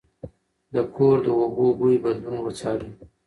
د کور د اوبو بوی بدلون وڅارئ.